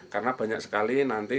karena banyak sekali nanti